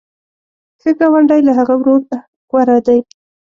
ښه ګاونډی له هغه ورور غوره دی.